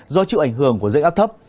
do chịu ảnh hưởng của dây áp thấp